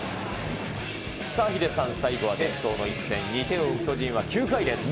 さあ、ヒデさん、最後は伝統の一戦、２点を追う巨人は９回です。